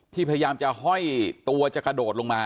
พยายามจะห้อยตัวจะกระโดดลงมา